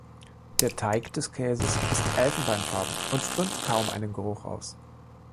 Der Teig des Käses ist elfenbeinfarben und strömt kaum einen Geruch aus.